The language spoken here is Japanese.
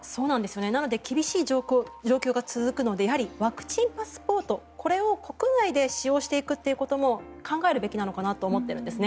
なので厳しい状況が続くのでやはりワクチンパスポートこれを国内で使用していくということも考えるべきなのかなと思っているんですね。